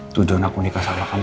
tujuan aku nikah sama kamu